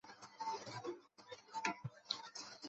এজন্যই ওরা ওকে মেনে চলে।